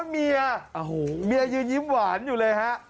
เมียเมียยืนยิ้มหวานอยู่เลยฮะ